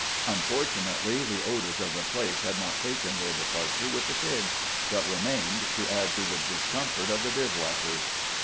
Unfortunately, the odors of the place had not taken their departure with the pigs, but remained to add to the discomfort of the bivouackers.